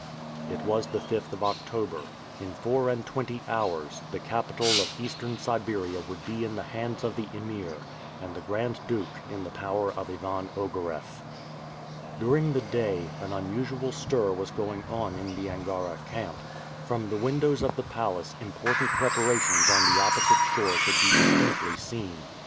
It was the 5th of October. In four and twenty hours, the capital of Eastern Siberia would be in the hands of the Emir, and the Grand Duke in the power of Ivan Ogareff. During the day, an unusual stir was going on in the Angara camp. From the windows of the palace important preparations on the opposite shore could be distinctly seen.